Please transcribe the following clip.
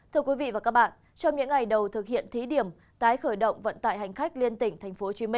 thưa quý vị và các bạn trong những ngày đầu thực hiện thí điểm tái khởi động vận tải hành khách liên tỉnh tp hcm